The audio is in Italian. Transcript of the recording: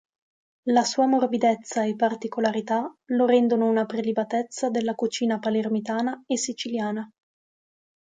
La sua morbidezza e particolarità lo rendono una prelibatezza della cucina palermitana e siciliana.